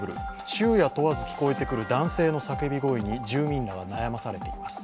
昼夜問わず聞こえてくる男性の叫び声に住民らが悩まされています。